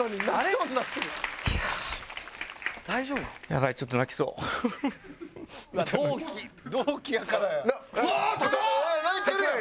ほら泣いてるやん！